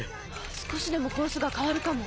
少しでもコースが変わるかも。